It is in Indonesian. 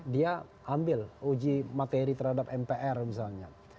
dia ambil uji materi terhadap mpr misalnya